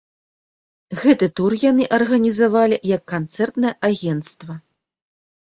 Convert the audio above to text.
Гэты тур яны арганізавалі як канцэртнае агенцтва.